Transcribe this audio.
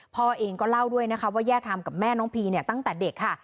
พ่อเองก็เล่าด้วยนะคะว่าแย่ทำกับแม่น้องพีเนี่ยตั้งแต่เด็กค่ะ